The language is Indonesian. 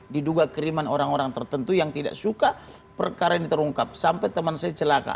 diduga kiriman orang orang tertentu yang tidak suka perkara ini terungkap sampai teman saya celaka